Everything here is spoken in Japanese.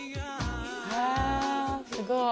へえすごい！